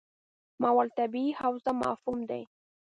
ماورا الطبیعي حوزه مفهوم دی.